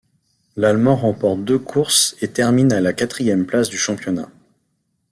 L'Allemand remporte deux courses et termine à la quatrième place du championnat.